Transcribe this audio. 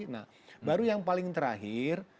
nah baru yang paling terakhir